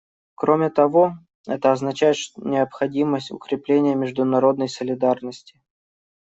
Кроме того, это означает необходимость укрепления международной солидарности.